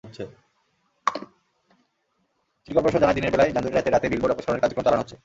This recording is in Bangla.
সিটি করপোরেশন জানায়, দিনের বেলায় যানজট এড়াতে রাতে বিলবোর্ড অপসারণের কার্যক্রম চালানো হচ্ছে।